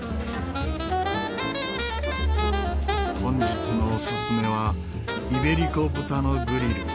本日のおすすめはイベリコ豚のグリル。